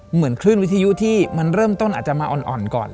เหมือนคลื่นวิทยุที่มันเริ่มต้นอาจจะมาอ่อนก่อน